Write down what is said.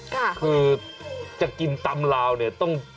คือจะกินตำราวเนี่ยต้อง